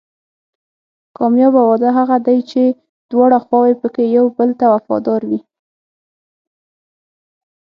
کامیابه واده هغه دی چې دواړه خواوې پکې یو بل ته وفادار وي.